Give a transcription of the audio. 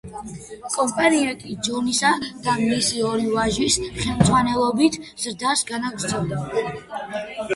კომპანია კი, ჯონისა და მისი ორი ვაჟის ხელმძღვანელობით ზრდას განაგრძობდა.